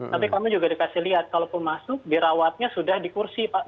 tapi kami juga dikasih lihat kalau pun masuk dirawatnya sudah dikursi pak